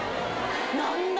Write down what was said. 何だ？